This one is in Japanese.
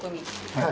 はい。